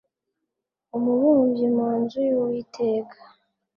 umubumbyi mu nzu y uwiteka